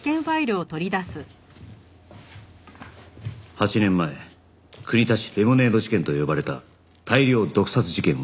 ８年前国立レモネード事件と呼ばれた大量毒殺事件は